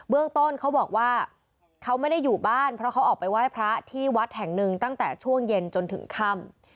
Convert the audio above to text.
เรื่องต้นเขาบอกว่าเขาไม่ได้อยู่บ้านเพราะเขาออกไปไหว้พระที่วัดแห่งหนึ่งตั้งแต่ช่วงเย็นจนถึงค่ำ